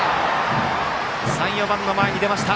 ３、４番の前に出ました。